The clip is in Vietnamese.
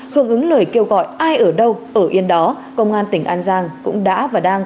hưởng ứng lời kêu gọi ai ở đâu ở yên đó công an tỉnh an giang cũng đã và đang